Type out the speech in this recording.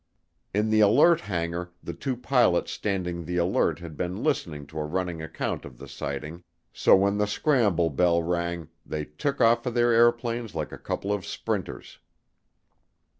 In the alert hangar, the two pilots standing the alert had been listening to a running account of the sighting so when the scramble bell rang they took off for their airplanes like a couple of sprinters.